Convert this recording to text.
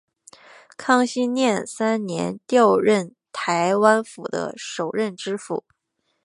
康熙廿三年调任台湾府的首任知府。